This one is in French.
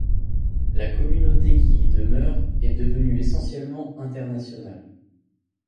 La communauté qui y demeure est devenue essentiellement internationale.